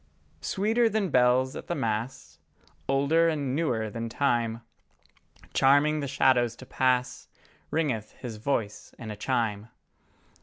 Sweeter than bells at the Mass, Older and newer than time, Charming the shadows to pass Ringeth His voice in a chime.